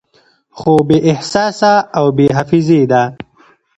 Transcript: خو بې احساسه او بې حافظې ده